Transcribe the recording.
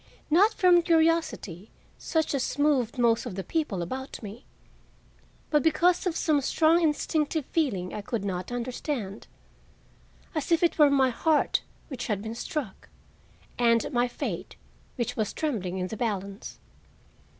Not from curiosity, such as moved most of the people about me, but because of some strong instinctive feeling I could not understand; as if it were my heart which had been struck, and my fate which was trembling in the balance.